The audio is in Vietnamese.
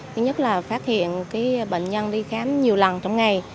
thứ nhất là phát hiện bệnh nhân đi khám nhiều lần trong ngày